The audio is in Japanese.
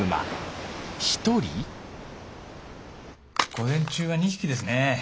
午前中は２匹ですね。